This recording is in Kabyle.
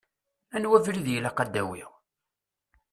Anwa abrid i ilaq ad awiɣ?